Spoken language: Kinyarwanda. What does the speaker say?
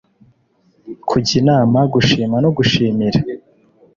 kujya inama, gushima no gushimira